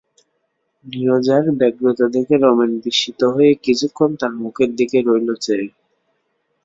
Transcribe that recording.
নীরজার ব্যগ্রতা দেখে রমেন বিস্মিত হয়ে কিছুক্ষণ তার মুখের দিকে রইল চেয়ে।